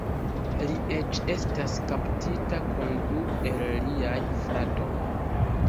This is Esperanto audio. Li eĉ estas kaptita kun du el liaj fratoj.